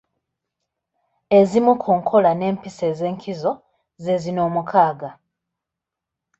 Ezimu ku nkola n’empisa ez’enkizo ze zino omukaaga: